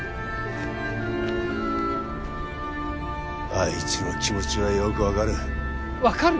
あいつの気持ちはよく分かる分かる？